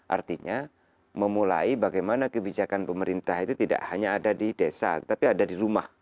artinya memulai bagaimana kebijakan pemerintah itu tidak hanya ada di desa tapi ada di rumah